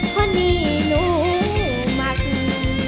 ขอเนี่ยนูมากมี